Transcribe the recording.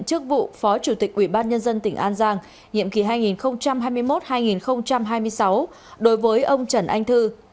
chức vụ phó chủ tịch ủy ban nhân dân tỉnh an giang nhiệm kỳ hai nghìn hai mươi một hai nghìn hai mươi sáu đối với ông trần anh thư